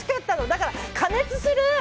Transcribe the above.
だから、加熱する！